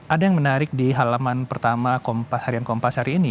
ada yang menarik di halaman pertama harian kompas hari ini